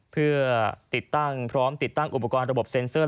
เพื่อติดตั้งพร้อมติดตั้งอุปกรณ์ระบบเซ็นเซอร์